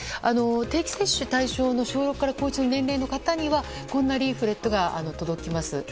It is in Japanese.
定期接種対象の小６から高１の対象の年齢の方にはこんなリーフレットが届きます。